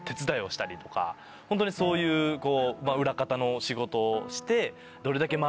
ホントにそういう裏方の仕事をして。